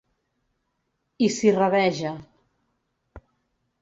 I s'hi rabeja.